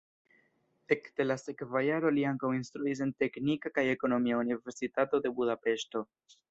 Ekde la sekva jaro li ankaŭ instruis en Teknika kaj Ekonomia Universitato de Budapeŝto.